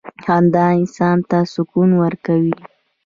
• خندا انسان ته سکون ورکوي.